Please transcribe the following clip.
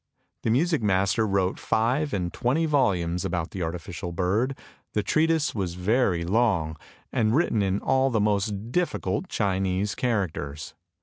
The music master wrote five and twenty volumes about the artificial bird; the treatise was very long, and written in all the most difficult Chinese characters.